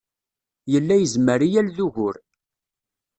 Yella yezmer i yal d ugur.